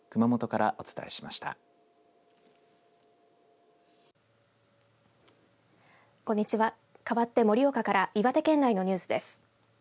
かわって盛岡から岩手県内のニュースです。